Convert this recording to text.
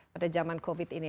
pada zaman covid ini